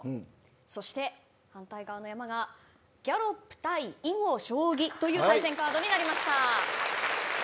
そして反対側のやまがギャロップ対囲碁将棋という対戦カードになりました。